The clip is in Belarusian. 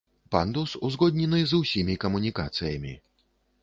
Пандус узгоднены з усімі камунікацыямі.